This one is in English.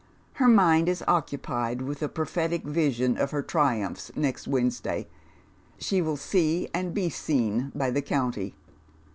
Her mind is occupied with a prophetic snsion of her triumphs next Wednesday. She will see and be seen by the county.